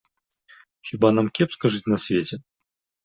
Хiба нам кепска жыць на свеце?